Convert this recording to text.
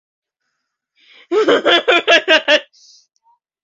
Jaime Arrese fue empleado de la empresa Arriola y Cía.